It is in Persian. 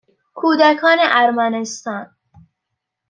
کودکان ارمنستان